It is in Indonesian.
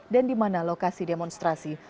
di mana lokasi demonstrasi